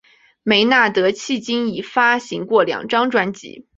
梅纳德迄今已发行过两张专辑。